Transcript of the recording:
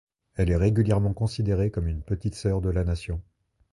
Elle est régulièrement considérée comme une Petite sœur de la Nation.